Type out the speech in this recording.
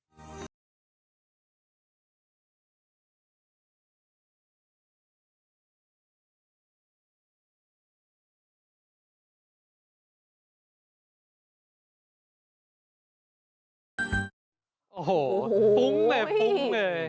โอ้โหพุ้งแหละพุ้งเลย